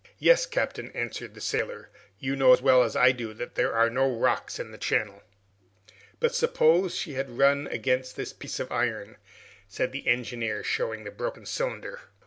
"Yes, captain," answered the sailor. "You know as well as I do that there are no rocks in the channel." "But suppose she had run against this piece of iron?" said the engineer, showing the broken cylinder.